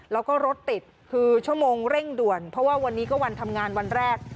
แล้วก็รถติดคือชั่วโมงเร่งด่วนเพราะว่าวันนี้ก็วันทำงานวันแรก